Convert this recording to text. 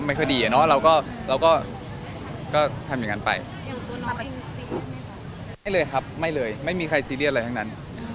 ไม่เลยไม่มีใครซีเรียสอะไรทั้งนั้น